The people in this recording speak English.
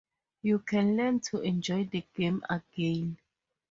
You can learn to enjoy the game again.